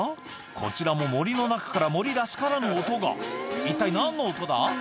こちらも森の中から森らしからぬ音が一体何の音だ？